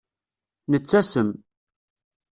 Nettasem.